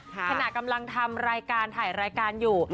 ขณะกำลังทำรายการถ่ายรายการอยู่